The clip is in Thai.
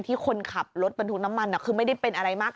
คนขับรถบรรทุกน้ำมันคือไม่ได้เป็นอะไรมาก